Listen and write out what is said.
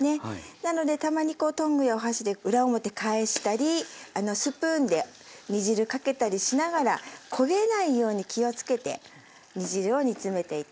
なのでたまにこうトングやお箸で裏表返したりスプーンで煮汁かけたりしながら焦げないように気を付けて煮汁を煮詰めていって下さい。